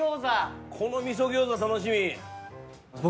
この味噌餃子楽しみ。